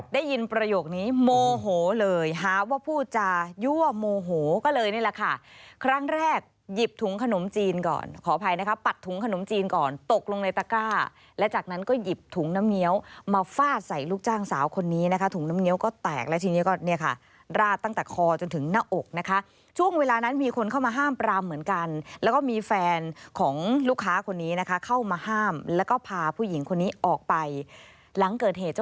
ได้ยินประโยคนี้โมโหเลยหาว่าพูดจะยั่วโมโหก็เลยนี่แหละค่ะครั้งแรกหยิบถุงขนมจีนก่อนขออภัยนะคะปัดถุงขนมจีนก่อนตกลงในตะกร้าแล้วจากนั้นก็หยิบถุงน้ำเงี้ยวมาฟาดใส่ลูกจ้างสาวคนนี้นะคะถุงน้ำเงี้ยวก็แตกแล้วทีนี้ก็เนี่ยค่ะราดตั้งแต่คอจนถึงหน้าอกนะคะช่วงเวลานั้นมีคนเข้ามาห้ามปรามเห